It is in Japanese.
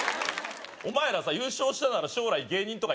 お前らさ優勝したなら将来芸人とかやれば？